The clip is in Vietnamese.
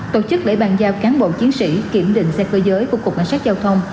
tổ chức lễ bàn giao cán bộ chiến sĩ kiểm định xe cơ giới của cục cảnh sát giao thông